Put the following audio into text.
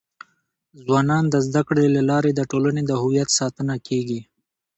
ځوانان د زده کړي له لارې د ټولنې د هویت ساتنه کيږي.